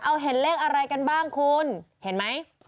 เอาเห็นเลขอะไรกันบ้างคุณเห็นไหม